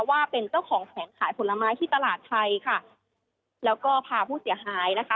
ว่าเป็นเจ้าของแผงขายผลไม้ที่ตลาดไทยค่ะแล้วก็พาผู้เสียหายนะคะ